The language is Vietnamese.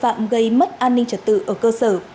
phạm gây mất an ninh trật tự ở cơ sở